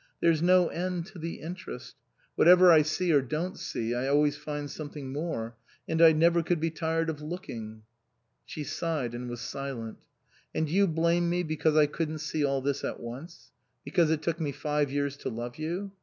There's no end to the interest. Whatever I see or don't see, I always find something more, and I never could be tired of looking." She sighed and was silent. " And you blame me because I couldn't see all this at once ? Because it took me five years to love you